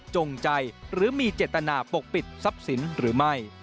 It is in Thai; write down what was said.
จงใจหรือมีเจตนาปกปิดทรัพย์สินหรือไม่